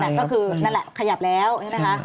แต่ก็คือนั่นแหละขยับแล้วใช่ไหมคะ